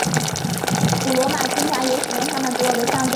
古罗马军团也使用他们独有的象征物。